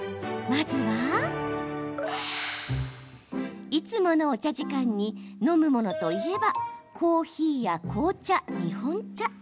まずは、いつものお茶時間に飲むものといえばコーヒーや紅茶、日本茶。